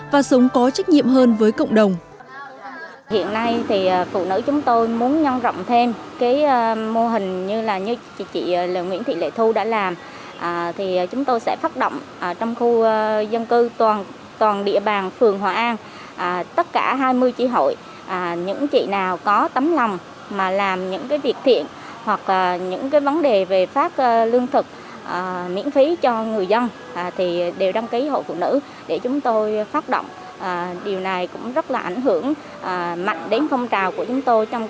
và sống có trách nhiệm hơn với cộng đồng